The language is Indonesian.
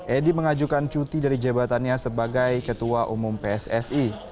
edi mengajukan cuti dari jabatannya sebagai ketua umum pssi